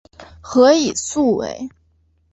何以速为。